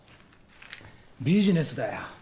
ビジネスだよ。